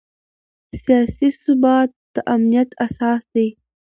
سیاسي ثبات د امنیت اساس دی